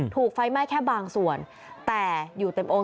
ถูกไฟไหม้แค่บางส่วนแต่อยู่เต็มองค์